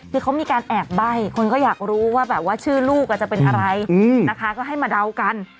คือเขามีการแอบใบ้คนก็อยากรู้ว่าแบบว่าชื่อลูกจะเป็นอะไรนะคะก็ให้มาเดากัน